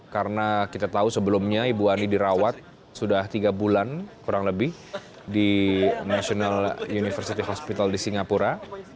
karena kita tahu sebelumnya ibu ani dirawat sudah tiga bulan kurang lebih di national university hospital di singapura